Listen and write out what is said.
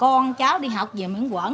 coi như là con cháu đi học về miễn quẩn